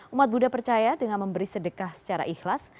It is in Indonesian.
umat buddha percaya dengan memberi sedekah secara ikhlas